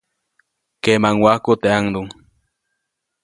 Keʼmaŋwajku teʼ ʼaŋduŋ.